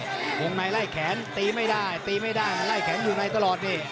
หัวบางที่ไหนไหล่แข็งตีไม่ได้ตีไม่ได้ไล่แข็งอยู่ในตลอดนี่